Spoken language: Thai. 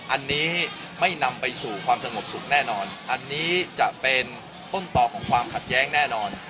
อันนี้ไม่นำไปสู่ความสงบสุขแน่นอนอันนี้จะเป็นต้นต่อของความขัดแย้งแน่นอน